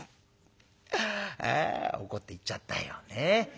「ああ怒って行っちゃったよ。